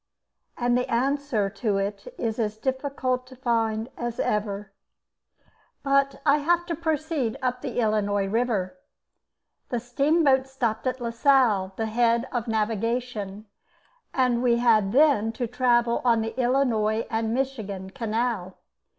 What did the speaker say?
and the answer to it is as difficult to find as ever. But I have to proceed up the Illinois river. The steamboat stopped at Lasalle, the head of navigation, and we had then to travel on the Illinois and Michigan canal.